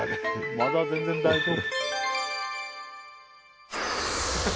まだ全然大丈夫。